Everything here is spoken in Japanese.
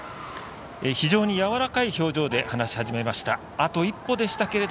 非常にやわらかい表情で話し始めました。